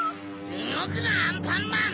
うごくなアンパンマン。